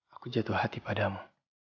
aku jatuh hati padamu